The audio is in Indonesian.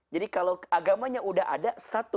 jadi kalau agamanya sudah ada satu